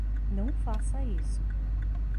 Não faça isso!